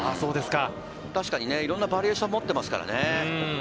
確かに、いろんなバリエーションを持っていますからね。